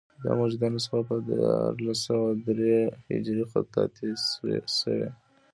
دا موجوده نسخه په دیارلس سوه درې هجري خطاطي شوې.